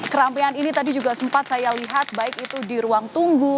kerampian ini tadi juga sempat saya lihat baik itu di ruang tunggu